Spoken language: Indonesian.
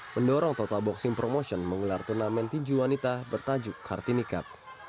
mempromosional menggelar turnamen tinju wanita bertajuk kartini cup